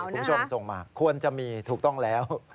คุณผู้ชมส่งมาควรจะมีถูกต้องแล้ว